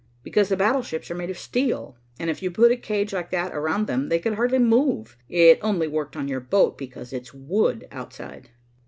"Because the battleships are made of steel; and if you put a cage like that around them, they could hardly move. It only worked on your boat because it's wood outside."